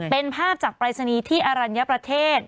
เป็นภาพจากปรายศนีย์ที่อรัญญประเทศ